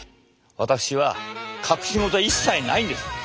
私は隠し事は一切ないんです。